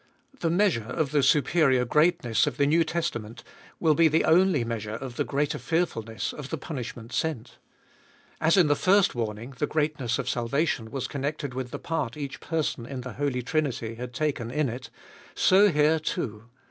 The measure of the superior greatness of the New Testament will be the only measure of the greater fearfulness of the punishment sent ; as in the first warning the greatness of salvation was connected with the part each person in the Holy Trinity had taken in it, so here too.